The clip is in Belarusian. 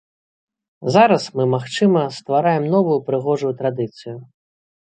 Зараз мы, магчыма, ствараем новую прыгожую традыцыю.